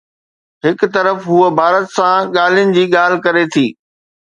هڪ طرف هوءَ ڀارت سان ڳالهين جي ڳالهه ڪري ٿي.